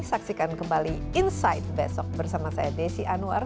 saksikan kembali insight besok bersama saya desi anwar